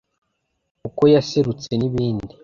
uko yaserutse n’ibindi